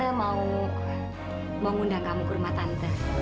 saya mau mengundang kamu ke rumah tante